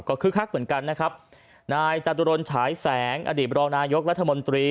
ก็คือคักเหมือนกันนะครับนายจตุรนฉายแสงอดีตรองนายกรัฐมนตรี